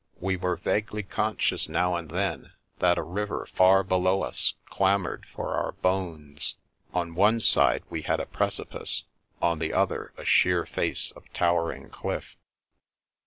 We were vaguely conscious now and than that a river far below us clamoured for our bones; on one side we had a precipice, on the other a sheer face of towering cliff.